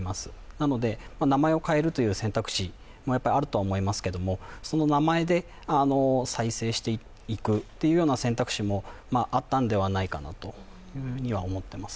なので、名前を変えるという選択肢もあるとは思いますけれども、その名前で再生していくという選択肢もあったんではないかなというふうに思ってます